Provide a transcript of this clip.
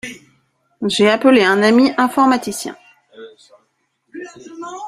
J'ai appelé un ami informaticien.